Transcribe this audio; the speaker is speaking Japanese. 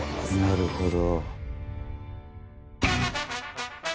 なるほど。